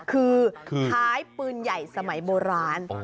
คือท้ายปืนใหญ่สมัยโบราณ